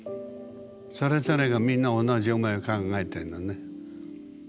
それぞれがみんな同じ思いを考えているのね。